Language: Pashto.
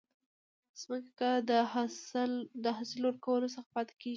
ځمکه د حاصل ورکولو څخه پاتي کیږي.